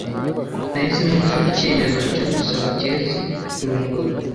Nahisemo gufata icyemezo cyo gusaba Kirezi kurongora.